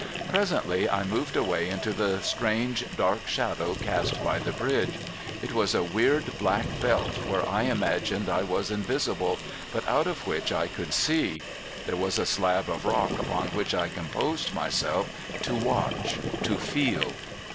Presently I moved away into the strange dark shadow cast by the bridge. It was a weird black belt, where I imagined I was invisible, but out of which I could see. There was a slab of rock upon which I composed myself, to watch, to feel.